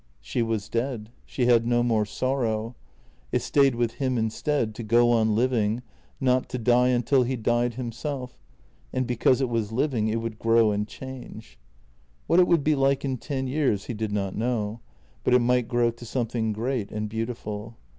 She was dead; she had no more sorrow — it stayed with him instead, to go on living, not to die until he died himself, and because it was living it would grow and change. What it would be like in ten years, he did not know, but it might grow to something great and beautiful.